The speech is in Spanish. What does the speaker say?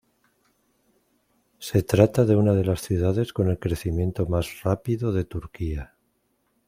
Se trata de una de las ciudades con el crecimiento más rápido de Turquía.